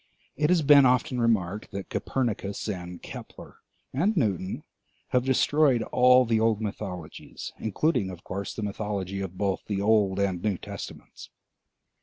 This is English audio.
It has been often remarked that Copernicus and Kepler and Newton have destroyed all the old mythologies, including of course the mythology of both the Old and New Testaments.